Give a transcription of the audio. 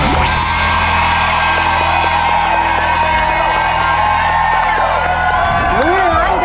สองนาทีสี่สิบห้าวินาที